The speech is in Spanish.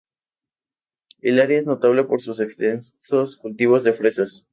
El área es notable por sus extensos cultivos de fresas.